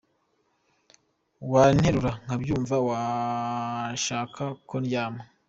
Wanterura nkabyuka Washaka ko ndyama.